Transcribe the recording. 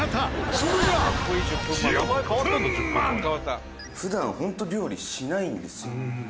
それが「普段本当料理しないんですよ」